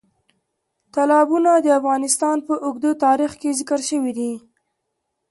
تالابونه د افغانستان په اوږده تاریخ کې ذکر شوی دی.